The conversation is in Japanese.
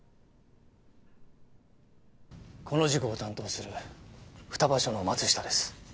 この事故を担当する双葉署の松下です。